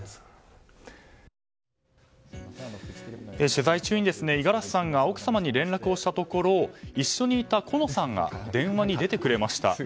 取材中に、五十嵐さんが奥様に連絡をしたところ一緒にいた好乃さんが電話に出てくれました。